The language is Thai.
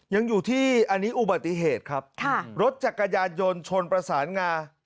ยังอยู่ที่อันนี้อุบัติเหตุครับค่ะรถจักรยานยนต์ชนประสานงา